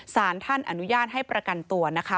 สารท่านอนุญาตให้ประกันตัวนะคะ